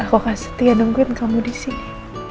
aku gak setia nungguin kamu disini